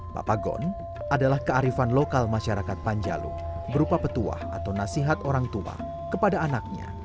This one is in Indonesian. papagon adalah kearifan lokal masyarakat panjalu berupa petua atau nasihat orang tua kepada anaknya